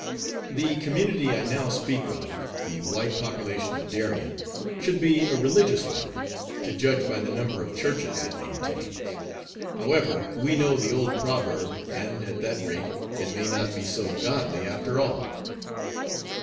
The community I now speak of, the white population of Darien, should be a religious one, to judge by the number of Churches it maintains. However, we know the old proverb, and, at that rate, it may not be so godly after all.